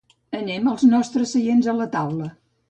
Anem als nostres seients a la taula.